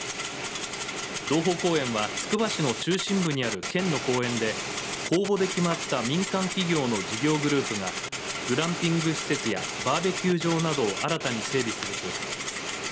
洞峰公園はつくば市の中心部にある県の公園で公募で決まった民間企業の事業グループがグランピング施設やバーベキュー場などを新たに整備する計画です。